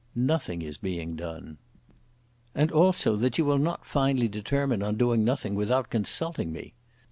"Nothing is being done." "And also that you will not finally determine on doing nothing without consulting me."